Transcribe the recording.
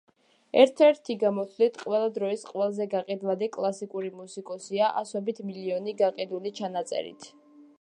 ერთ-ერთი გამოთვლით, ყველა დროის ყველაზე გაყიდვადი კლასიკური მუსიკოსია, ასობით მილიონი გაყიდული ჩანაწერით.